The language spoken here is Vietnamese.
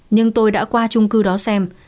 nhưng tôi đã qua chung cư đó xem